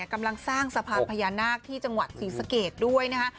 กำลังสร้างสะพานพญานาคที่จังหวัดศรีสะเกดด้วยนะคะ